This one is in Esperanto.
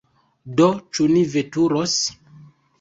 Do, ĉu ni veturos?